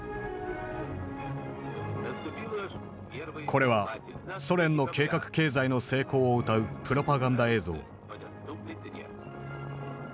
これはソ連の計画経済の成功をうたうプロパガンダ映像。